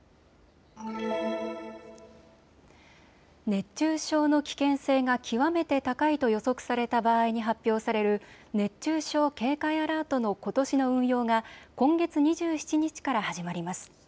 熱中症の危険性が極めて高いと予測された場合に発表される熱中症警戒アラートのことしの運用が今月２７日から始まります。